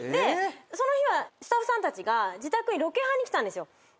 その日はスタッフさんたちが自宅にロケハンに来たんですよ。